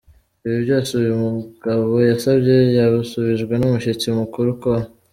Ibi byose uyu mugabo yasabye yasubijwe n’umushyitsi mukuru Col.